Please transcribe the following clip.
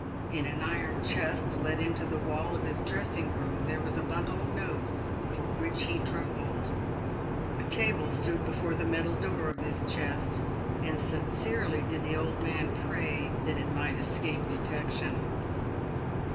In an iron chest let into the wall of his dressing room there was a bundle of notes, for which he trembled. A table stood before the metal door of this chest, and sincerely did the old man pray that it might escape detection.